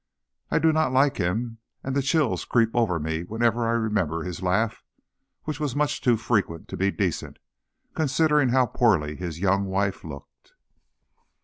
I do not like him, and the chills creep over me whenever I remember his laugh, which was much too frequent to be decent, considering how poorly his young wife looked.